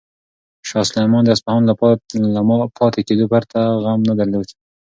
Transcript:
شاه سلیمان د اصفهان له پاتې کېدو پرته بل غم نه درلود.